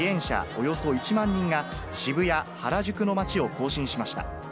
およそ１万人が、渋谷、原宿の街を行進しました。